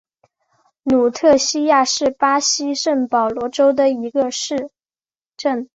卢特西亚是巴西圣保罗州的一个市镇。